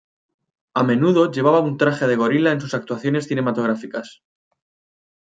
A menudo llevaba un traje de gorila en sus actuaciones cinematográficas.